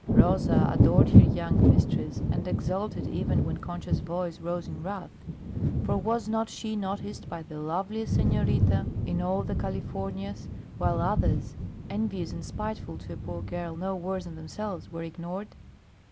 Rosa adored her young mistress and exulted even when Concha's voice rose in wrath; for was not she noticed by the loveliest senorita in all the Californias, while others, envious and spiteful to a poor girl no worse than themselves, were ignored?